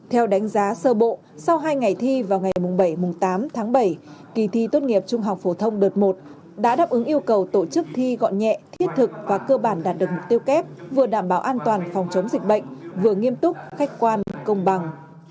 theo đánh giá sơ bộ sau hai ngày thi vào ngày bảy tám tháng bảy kỳ thi tốt nghiệp trung học phổ thông đợt một đã đáp ứng yêu cầu tổ chức thi gọn nhẹ thiết thực và cơ bản đạt được mục tiêu kép vừa đảm bảo an toàn phòng chống dịch bệnh vừa nghiêm túc khách quan công bằng